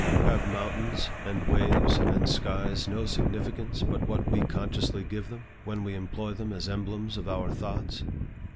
Have mountains, and waves, and skies, no significance but what we consciously give them, when we employ them as emblems of our thoughts?